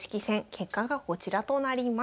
結果がこちらとなります。